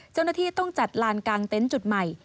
เจ้าหน้าที่ต้องจัดลานกลางเต็นต์จุดใหม่